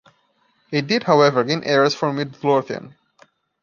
It did however gain areas from Midlothian.